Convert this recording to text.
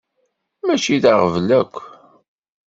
Mačči d aɣbel akk!